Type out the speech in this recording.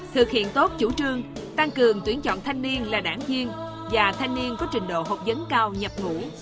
thực hiện tốt chủ trương tăng cường tuyển chọn thanh niên là đảng viên và thanh niên có trình độ học dấn cao nhập ngũ